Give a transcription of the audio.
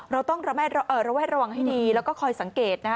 เราต้องระแวดระวังให้ดีแล้วก็คอยสังเกตนะฮะ